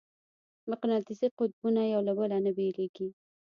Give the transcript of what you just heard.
مقناطیسي قطبونه یو له بله نه بېلېږي.